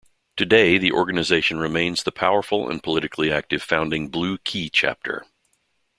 Today, the organization remains the powerful and politically active founding Blue Key chapter.